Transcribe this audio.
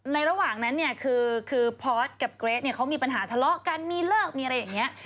ระหว่างนั้นเนี่ยคือพอร์ตกับเกรทเนี่ยเขามีปัญหาทะเลาะกันมีเลิกมีอะไรอย่างนี้